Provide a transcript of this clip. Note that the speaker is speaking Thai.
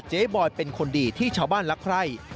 บอยเป็นคนดีที่ชาวบ้านรักใคร่